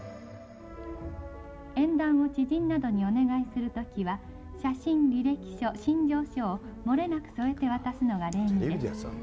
縁談を知人などにお願いするときは、写真、履歴書、診療書を漏れなく添えて渡すのが礼儀です。